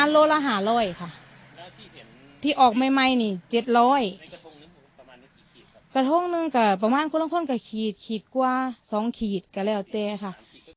กระท่องนึงก็ประมาณคนล่างคนก็ขีดขีดกว่าสองขีดกันแล้วเจ๊ค่ะ